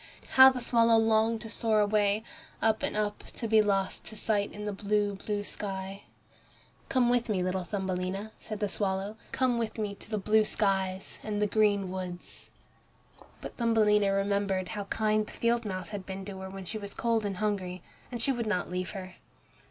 How the swallow longed to soar away, up and up, to be lost to sight in the blue, blue sky! "Come with me, little Thumbelina," said the swallow, "come with me to the blue skies and the green woods." But Thumbelina remembered how kind the field mouse had been to her when she was cold and hungry, and she would not leave her.